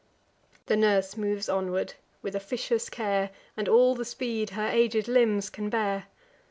The nurse moves onward, with officious care, And all the speed her aged limbs can bear.